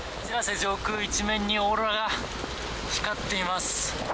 上空一面にオーロラが光っています。